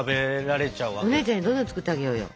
お姉ちゃんにどんどん作ってあげようよ。